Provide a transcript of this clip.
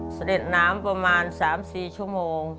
เสด็จน้ำประมาณ๓๔ชั่วโมง